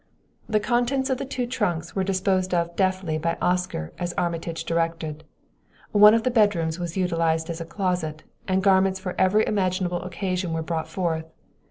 The contents of the two trunks were disposed of deftly by Oscar as Armitage directed. One of the bedrooms was utilized as a closet, and garments for every imaginable occasion were brought forth.